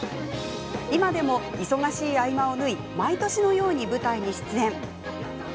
今でも、忙しい合間をぬい毎年のように舞台に出演。